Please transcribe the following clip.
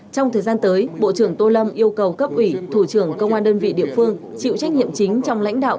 trong thời gian tới bộ trưởng tô lâm yêu cầu cấp ủy thủ trưởng công an đơn vị địa phương chịu trách nhiệm chính trong lãnh đạo